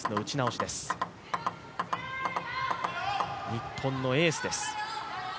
日本のエースです。